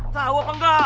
tau apa enggak